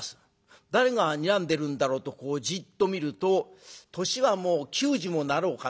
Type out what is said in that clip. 誰がにらんでるんだろうとじっと見ると年は９０にもなろうかという。